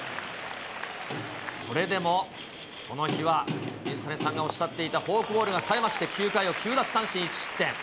それでも、この日は水谷さんがおっしゃっていた、フォークボールがさえまして、９回を９奪三振１失点。